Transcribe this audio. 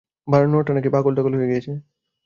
বানরটা নাকি পাগল-টাগল হয়ে গিয়েছিল।